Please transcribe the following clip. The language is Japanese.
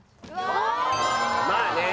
まあね。